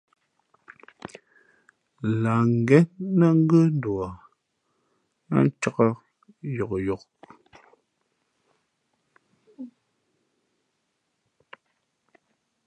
Lah ngén nά ngə̂nduα yáá ncāk yokyok.